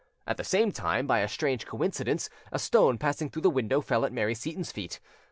At the same time, by a strange coincidence, a stone passing through the window fell at Mary Seyton's feet.